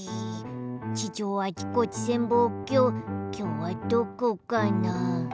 地上あちこち潜望鏡きょうはどこかな？